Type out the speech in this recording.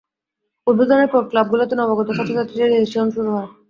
উদ্বোধনের পর ক্লাবগুলোতে নবাগত ছাত্রছাত্রীদের রেজিস্ট্রেশন শুরু হয়।